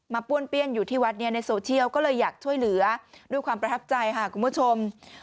ป้วนเปี้ยนอยู่ที่วัดนี้ในโซเชียลก็เลยอยากช่วยเหลือด้วยความประทับใจค่ะคุณผู้ชม